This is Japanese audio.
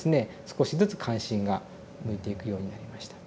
少しずつ関心が向いていくようになりました。